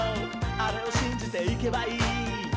あれをしんじていけばいい」